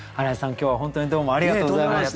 今日は本当にどうもありがとうございました。